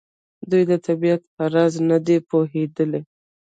دوی د طبیعت په راز نه دي پوهېدلي.